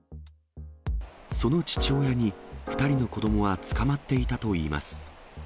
その父親に、２人の子どもはつかまっていたといいます。